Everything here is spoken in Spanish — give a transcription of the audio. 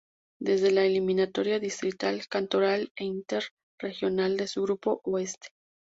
Desde la eliminatoria distrital, cantonal e inter regional de su Grupo Oeste.